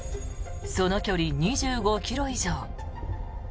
その距離２５ｋｍ以上。